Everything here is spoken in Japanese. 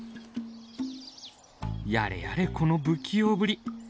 やれやれこの不器用ぶり。